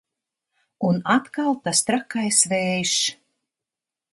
Un atkal tas trakais vējš!